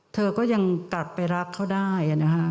เธอก็ยังกลับไปรักเขาได้นะฮะ